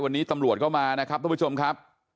วันนี้ตำรวจก็มานะครับทุกผู้ชมครับ